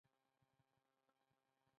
زمری يو پياوړی حيوان دی.